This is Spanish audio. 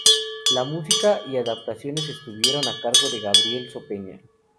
La música y adaptaciones estuvieron a cargo de Gabriel Sopeña.